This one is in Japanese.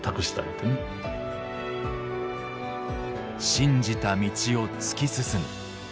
信じた道を突き進む。